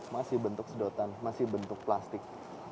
masih bentuk sedotan masih bentuk plastik